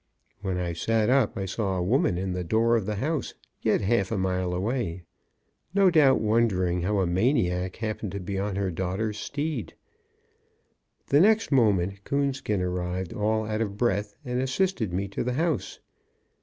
When I sat up, I saw a woman in the door of the house, yet a half mile away, no doubt, wondering how a maniac happened to be on her daughter's steed. The next moment, Coonskin arived all out of breath, and assisted me to the house.